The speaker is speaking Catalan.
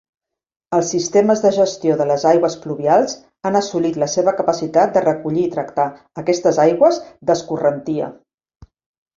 Els sistemes de gestió de les aigües pluvials han assolit la seva capacitat de recollir i tractar aquestes aigües d'escorrentia.